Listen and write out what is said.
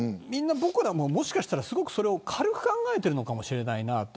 僕らも、もしかしたらそれをすごく軽く考えているかもしれないなと。